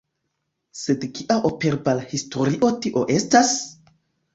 Sed kia operbala historio tio estas?